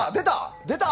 出た！